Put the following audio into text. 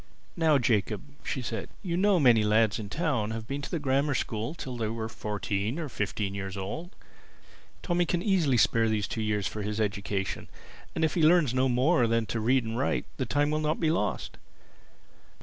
"Now Jacob," she said, "you know that many lads in the town have been to the Grammar School till they were fourteen or fifteen years old. Tommy can easily spare these two years for his education; and if he learns no more than to read and write, the time will not be lost.